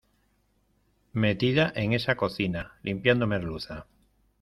metida en esa cocina, limpiando merluza.